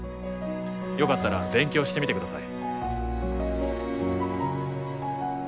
よかったら勉強してみてください。